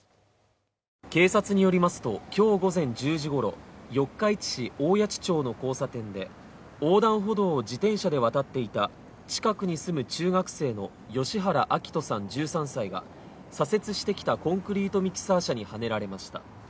警察によりますと、今日午前１０時ごろ四日市市大矢知町の交差点で横断歩道を自転車で渡っていた近くに住む中学生の吉原暁冬さん１３歳が左折してきたコンクリートミキサー車にはねられました。